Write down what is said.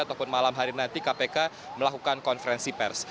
ataupun malam hari nanti kpk melakukan konferensi pers